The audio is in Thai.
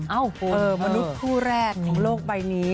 เอ้ามนุษย์ผู้แรกของโลกใบนี้